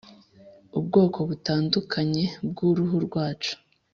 ubwoko butandukanye bwuruhu rwacu